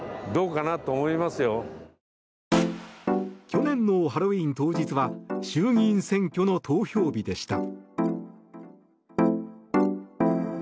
去年のハロウィーン当日は衆議院選挙の投票日でした。